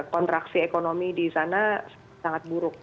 kontraksi ekonomi di sana sangat buruk